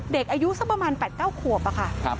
เด็กอายุสักประมาณ๘๙ขวบค่ะ